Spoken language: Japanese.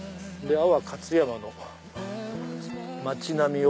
安房勝山の街並みを。